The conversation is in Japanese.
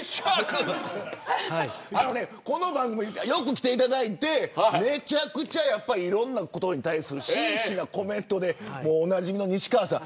この番組よく来ていただいてめちゃくちゃいろんなことに対する真摯なコメントでおなじみの西川さん